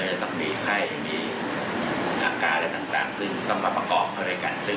ก็จะต้องมีไข้มีอาการอะไรต่างซึ่งต้องมาประกอบเข้าในการติดเชื้อ